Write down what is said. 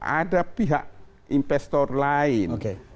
ada pihak investor lain